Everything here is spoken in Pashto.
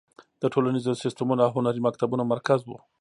د ټولنیزو سیستمونو او هنري مکتبونو مرکز و.